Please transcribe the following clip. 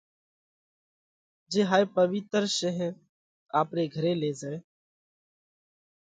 جي هائي پوَيِتر شين آپري گھري لي زائہ۔